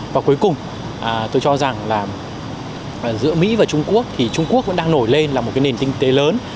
và cuối cùng tôi cho rằng là giữa mỹ và trung quốc thì trung quốc vẫn đang nổi lên là một cái nền kinh tế lớn